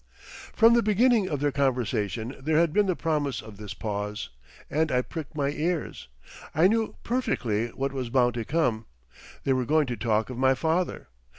From the beginning of their conversation there had been the promise of this pause, and I pricked my ears. I knew perfectly what was bound to come; they were going to talk of my father.